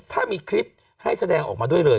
ถ้ามีคลิปให้แสดงออกมาด้วยเลย